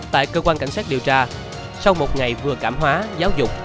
tại cơ quan cảnh sát điều tra sau một ngày vừa cảm hóa giáo dục